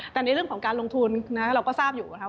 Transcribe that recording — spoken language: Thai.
แต่ในเรื่องของการลงทุนเราก็ทราบอยู่นะครับ